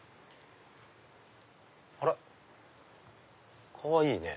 あらかわいいね。